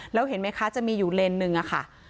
แล้วเห็นไหมคะจะมีอยู่เลนส์หนึ่งอะค่ะ